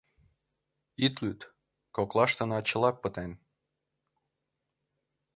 Ит лӱд, коклаштына чыла пытен.